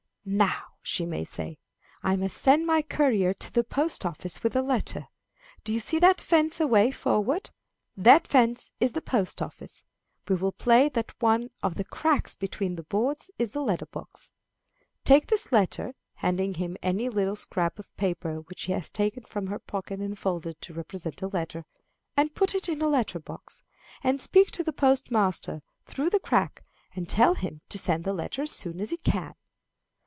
"Now," she may say, "I must send my courier to the post office with a letter. Do you see that fence away forward? That fence is the post office. We will play that one of the cracks between the boards is the letter box. Take this letter (handing him any little scrap of paper which she has taken from her pocket and folded to represent a letter) and put it in the letter box, and speak to the postmaster through the crack, and tell him to send the letter as soon as he can."